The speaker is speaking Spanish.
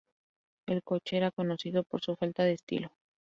El coche era conocido por su falta de estilo.